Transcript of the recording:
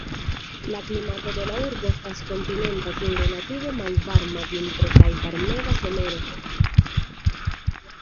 La klimato de la urbo estas kontinenta kun relative malvarma vintro kaj varmega somero.